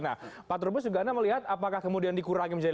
nah pak turbus juga anda melihat apakah kemudian dikurangi menjadi lima puluh